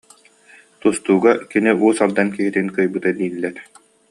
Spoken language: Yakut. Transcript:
Тустууга кини Уус Алдан киһитин кыайбыта дииллэр